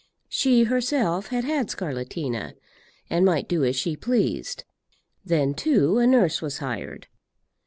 She herself had had scarlatina, and might do as she pleased. Then, too, a nurse was hired.